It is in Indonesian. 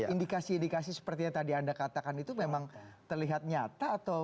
indikasi indikasi seperti yang tadi anda katakan itu memang terlihat nyata atau